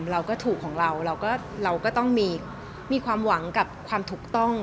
เราก็ถูกของเราเราก็ต้องมีความหวังกับความถูกต้อง